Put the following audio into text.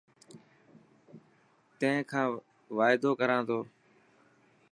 تين کان وعدو ڪران تو.